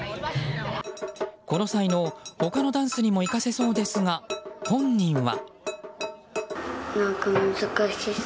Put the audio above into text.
この才能、他のダンスにも生かせそうですが、本人は。